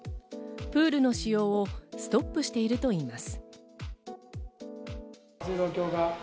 プールの使用をストップしているといいます。